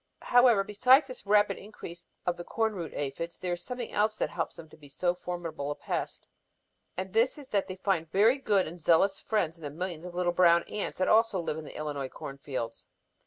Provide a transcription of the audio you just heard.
"However, besides this rapid increase of the corn root aphids, there is something else that helps them to be so formidable a pest. And this is that they find very good and zealous friends in the millions of little brown ants that also live in the Illinois corn fields.